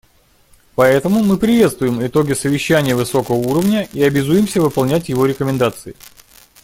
Поэтому мы приветствуем итоги Совещания высокого уровня и обязуемся выполнять его рекомендации.